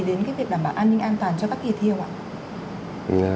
đến cái việc đảm bảo an ninh an toàn cho các kỳ thi ạ